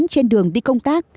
trên đường đi công tác